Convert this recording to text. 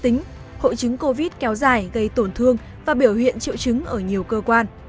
tính hội chứng covid kéo dài gây tổn thương và biểu hiện triệu chứng ở nhiều cơ quan